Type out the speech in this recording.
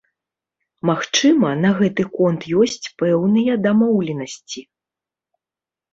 Магчыма, на гэты конт ёсць пэўныя дамоўленасці.